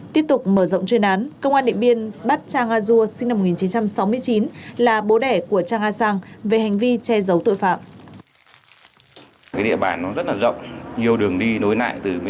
tiếp tục mở rộng chuyên án công an điện biên bắt chang a dua sinh năm một nghìn chín trăm sáu mươi chín là bố đẻ của trang a sang về hành vi che giấu tội phạm